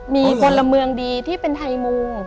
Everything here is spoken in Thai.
มีพลเมืองดีที่เป็นไทยมุง